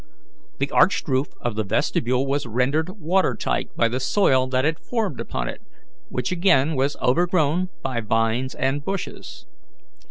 The arched roof of the vestibule was rendered watertight by the soil that had formed upon it, which again was overgrown by vines and bushes.